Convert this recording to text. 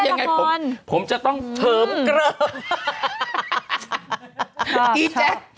เพราะยังไงผมจะต้องเผิมเกลือบ